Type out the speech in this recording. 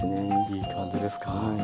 いい感じですか？